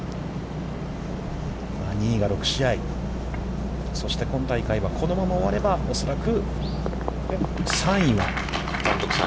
２位が６試合、そして、今大会は、このまま終われば、恐らく３位は。